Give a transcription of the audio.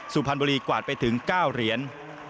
สุพรรณบุรีกวาดไปถึง๙เหรียญ